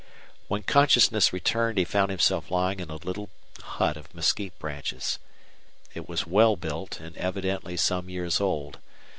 When consciousness returned he found himself lying in a little hut of mesquite branches. It was well built and evidently some years old.